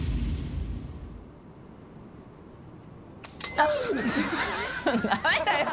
あっ！